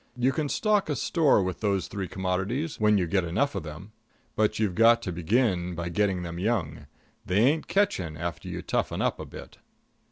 You can stock a store with those three commodities, when you get enough of them. But you've got to begin getting them young. They ain't catching after you toughen up a bit.